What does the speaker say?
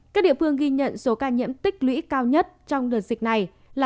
các địa phương ghi nhận số ca nhiễm tích lũy cao nhất trong đợt dịch này là